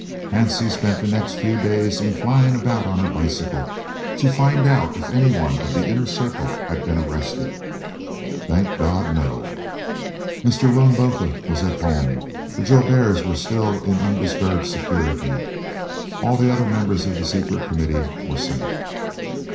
Hansie spent the next few days in flying about on her bicycle to find out if any one in the "inner circle" had been arrested. Thank God, no. Mr. Willem Botha was at home, the Jouberts were still in undisturbed security, all the other members of the Secret Committee were safe.